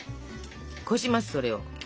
こしますそれを。